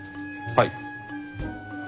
はい。